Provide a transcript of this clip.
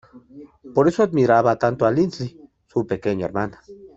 Por eso admiraba tanto a Lindsey, su pequeña hermana.